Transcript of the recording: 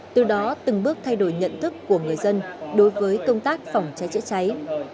từ đó từng bước thay đổi nhận thức của người dân đối với công tác phòng cháy chữa cháy